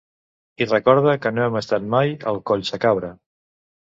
I recorda que no hem estat mai al Collsacabra.